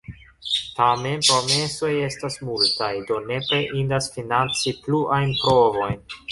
Tamen promesoj estas multaj, do nepre indas financi pluajn provojn.